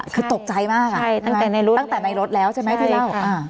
คือตกใจมากตั้งแต่ในรถแล้วใช่ไหมที่เล่า